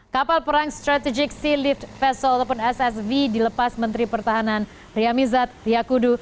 kapal perang strategik sea lift vessel ataupun ssv dilepas menteri pertahanan riamizat riyakudu